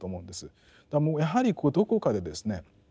もうやはりどこかでですね